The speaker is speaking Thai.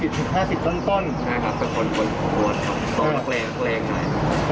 ใช่ครับเป็นคนกวนสูงและแรงหน่อย